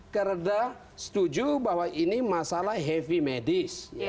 karena setuju bahwa ini masalah heavy medis